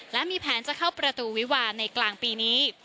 และมีแผนจะเข้าประตูวิวาในกลางปีนี้